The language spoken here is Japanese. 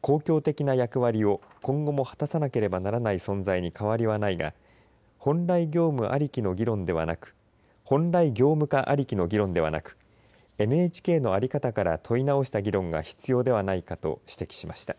公共的な役割を今後も果たさなければならない存在に変わりはないが本来業務化ありきの議論ではなくＮＨＫの在り方から問い直した議論が必要ではないかと指摘しました。